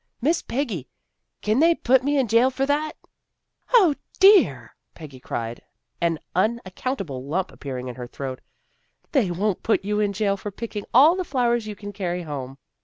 " Miss Peggy, kin they put me in jail for that? "" O, dear! " Peggy cried, an unaccountable lump appearing in her throat. " They won't put you in jail for picking all the flowers you can carry home.